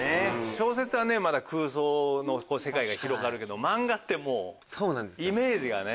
小説はまだ空想の世界が広がるけど漫画ってもうイメージがね。